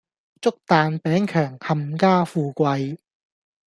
祝蛋餅强冚家富貴